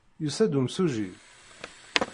Yusa-d umsujji?